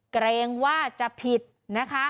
เกรงว่าจะผิดนะคะ